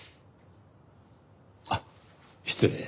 あっ失礼。